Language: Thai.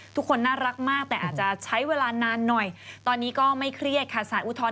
ทุกคนน่ารักมากแต่อาจจะใช้เวลานานหน่อยตอนนี้ก็ไม่เครียดค่ะสารอุทธรณ